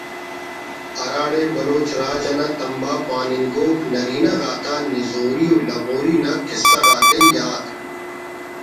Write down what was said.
ہراڑے بلوچ راج انا تمبہ پاننگوک نرینہ غاتا نزوری و لغوری نا کسہ غاتے یات